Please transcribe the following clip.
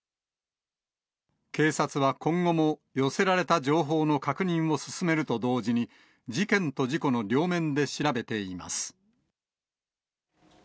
警察は今後も寄せられた情報の確認を進めると同時に、事件と事故の両面で調べています。